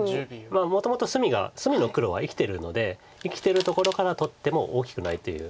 もともと隅の黒は生きてるので生きてるところから取っても大きくないということなんです。